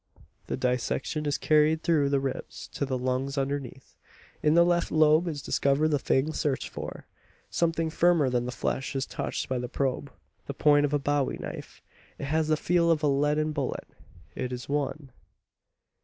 The dissection is carried through the ribs, to the lungs underneath. In the left lobe is discovered the thing searched for. Something firmer than flesh is touched by the probe the point of a bowie knife. It has the feel of a leaden bullet. It is one!